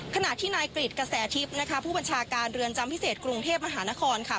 ขณะที่นายกริจกระแสทิพย์นะคะผู้บัญชาการเรือนจำพิเศษกรุงเทพมหานครค่ะ